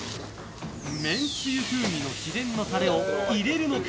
めんつゆ風味の秘伝のタレを入れるのか？